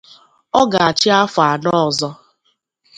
ọ ga-achị afọ anọ ọzọ